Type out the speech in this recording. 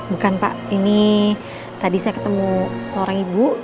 bukan pak ini tadi saya ketemu seorang ibu